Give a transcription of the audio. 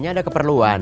kamu dapet kekekenuan